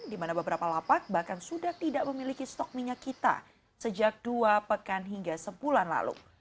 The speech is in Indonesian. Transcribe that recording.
di mana beberapa lapak bahkan sudah tidak memiliki stok minyak kita sejak dua pekan hingga sebulan lalu